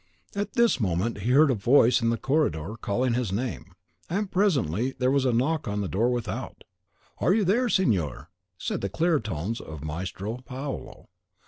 At this moment he heard a voice in the corridor calling on his name; and presently there was a knock at the door without. "Are you there, signor?" said the clear tones of Maestro Paolo.